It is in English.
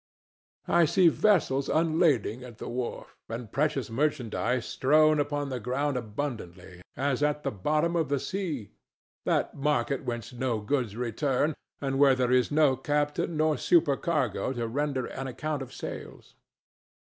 I see vessels unlading at the wharf and precious merchandise strown upon the ground abundantly as at the bottom of the sea—that market whence no goods return, and where there is no captain nor supercargo to render an account of sales.